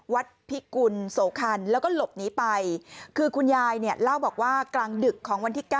วัชว์พิกุลโสอญคัณแล้วก็หลบหนีไปคือคุณยายแล้วกว่ากลางดึกของวันที่๙